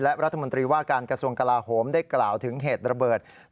และรัฐมนตรีว่าการกระทรวงกลาโหมได้กล่าวถึงเหตุระเบิด